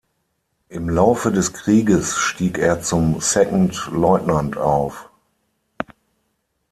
Im Laufe des Krieges stieg er zum Second Lieutenant auf.